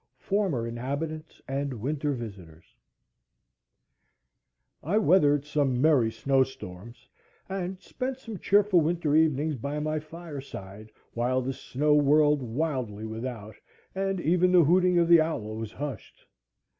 Former Inhabitants and Winter Visitors I weathered some merry snow storms, and spent some cheerful winter evenings by my fire side, while the snow whirled wildly without, and even the hooting of the owl was hushed.